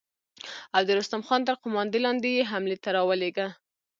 او د رستم خان تر قوماندې لاندې يې حملې ته را ولېږه.